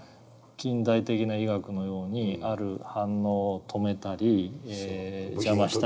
近代的な医学のようにある反応を止めたり邪魔したり。